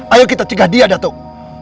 ayo kita cegah dia datuk